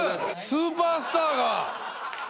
スーパースターが。